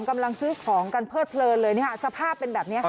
กำลังซื้อของกันเพลิดเพลินเลยสภาพเป็นแบบนี้ค่ะ